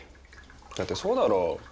だってそうだろ？